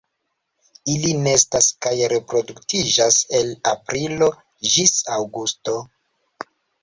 Ili nestas kaj reproduktiĝas el aprilo ĝis aŭgusto.